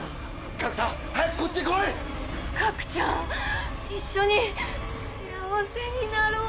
角ちゃん一緒に幸せになろう。